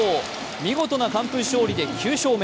見事な完封勝利で９勝目。